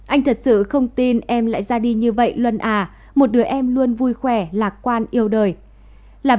anh thật sự không tin em lại ra đi như vậy luân à một đứa em luôn vui khỏe lạc quan yêu đời